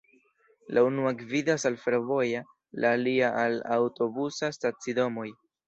La unua gvidas al fervoja, la alia al aŭtobusa stacidomoj.